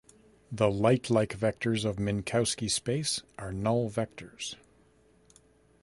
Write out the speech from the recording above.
The light-like vectors of Minkowski space are null vectors.